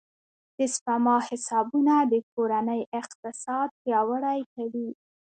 د سپما حسابونه د کورنۍ اقتصاد پیاوړی کوي.